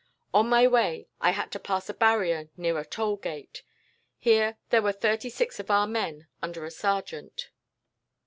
"On my way, I had to pass a barrier near a toll gate. Here there were thirty six of our men under a sergeant.